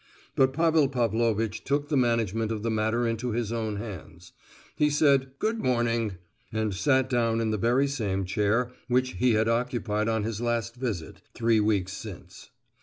But Pavel Pavlovitch took the management of the matter into his own hands; he said "good morning," and sat down in the very same chair which he had occupied on his last visit, three weeks since.